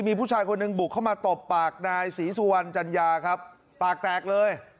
มีผู้ชายคนหนึ่งบุกเข้ามาตบปากนายศรีสุวรรณจัญญาครับปากแตกเลย